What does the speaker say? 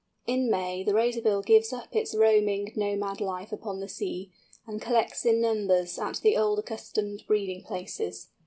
In May the Razorbill gives up its roaming, nomad life upon the sea, and collects in numbers at the old accustomed breeding places.